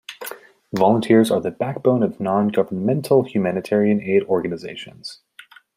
Volunteers are the backbone of non-governmental humanitarian aid organizations.